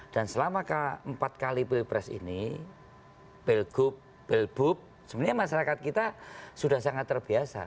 dan selama keempat kali pilpres ini belgup belbup sebenarnya masyarakat kita sudah sangat terbiasa